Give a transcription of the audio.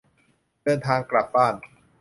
เดินทางกลับบ้าน